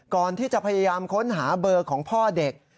พยายามที่จะพยายามค้นหาเบอร์ของพ่อเด็ก